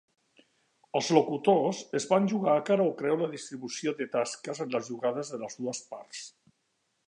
Els locutors es van jugar a cara o creu la distribució de tasques en les jugades de les dues parts.